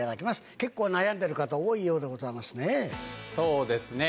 結構悩んでる方、多いようでござそうですね。